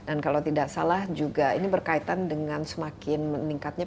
dan kalau tidak salah juga ini berkaitan dengan semakin meningkatnya